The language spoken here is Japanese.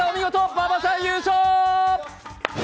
馬場さん優勝！！